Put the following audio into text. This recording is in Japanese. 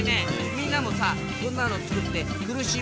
みんなもさこんなのつくってふるしん